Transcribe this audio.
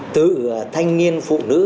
từ thanh niên phụ nữ